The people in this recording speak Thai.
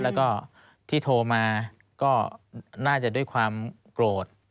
แล้วก็ที่โทรมาก็น่าจะด้วยความโกรธ